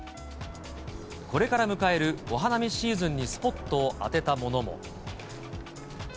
これから迎えるお花見シーズンにスポットを当てたものも。